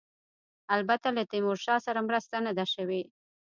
البته له تیمورشاه سره مرسته نه ده شوې.